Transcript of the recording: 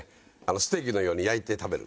ステーキのように焼いて食べる。